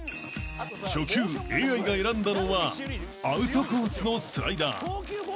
［初球ＡＩが選んだのはアウトコースのスライダー］